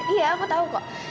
iya aku tahu kok